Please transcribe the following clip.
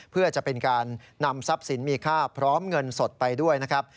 เพื่อจะเป็นการนำทรัพย์สินมีค่าพร้อมเงินสดไปด้วยนะครับ